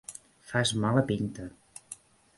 Fas mala pinta.